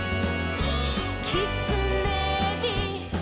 「きつねび」「」